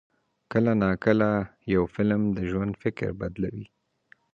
کله ناکله یو فلم د ژوند فکر بدلوي.